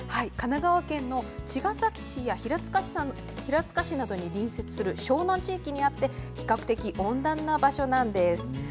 神奈川県の茅ヶ崎市や平塚市などに隣接する湘南地域にあって比較的、温暖な場所なんです。